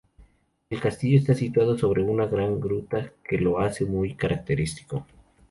El Castillo está situado sobre una gran gruta que lo hace muy característico.